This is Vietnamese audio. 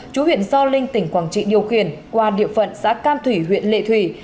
chú huyện do linh tỉnh quảng trị điều khiển qua địa phận xã cam thủy huyện lệ thủy